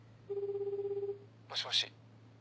もしもし。